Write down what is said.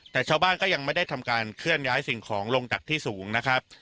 แต่ชาวบ้านก็ยังไม่ได้ทำการเคลื่อนย้ายสิ่งของลงจากที่สูงนะครับ